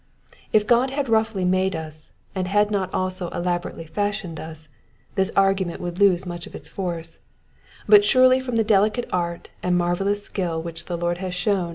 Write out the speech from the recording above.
If God had roughly made us, and had not also elaborately fashioned us, this argument would lose much of its force ; but surely from the delicate art and marvellous skill which the Lord has shown.